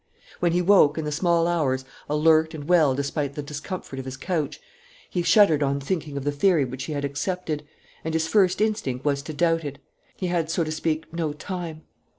When he woke, in the small hours, alert and well despite the discomfort of his couch, he shuddered on thinking of the theory which he had accepted; and his first instinct was to doubt it. He had, so to speak, no time.